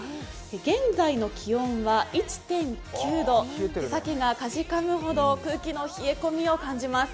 現在の気温は１．９度、手先がかじかむほど空気の冷え込みを感じます。